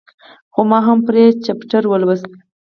خو ما هم پرې چپټر ولوست.